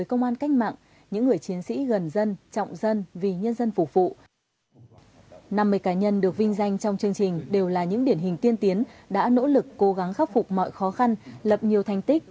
năm mươi cá nhân được vinh danh trong chương trình đều là những điển hình tiên tiến đã nỗ lực cố gắng khắc phục mọi khó khăn lập nhiều thành tích